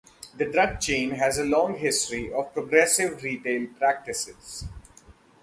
The drug chain has a long history of progressive retail practices.